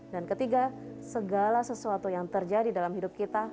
dan ketiga segala sesuatu yang terjadi dalam hidup kita